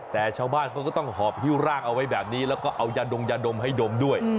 แต่ชาวบ้านเขาก็ต้องหอบฮิ้วร่างเอาไว้แบบนี้แล้วก็เอายาดมยาดมให้ดมด้วย